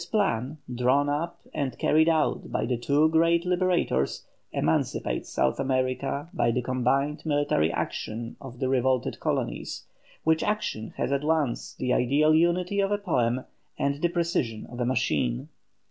This plan, drawn up and carried out by the two great Liberators, emancipates South America by the combined military action of the revolted colonies, which action has at once the ideal unity of a poem and the precision of a machine.